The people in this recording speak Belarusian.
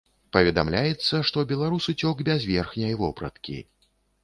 Паведамляецца, што беларус уцёк без верхняй вопраткі.